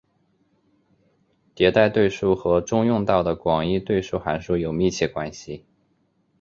迭代对数和中用到的广义对数函数有密切关系。